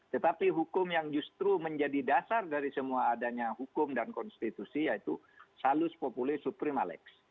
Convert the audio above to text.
tetapi hukum yang justru menjadi dasar dari semua adanya hukum dan konstitusi yaitu salus populis suprimalex